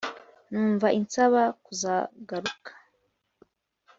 Numva insaba kuzagaruka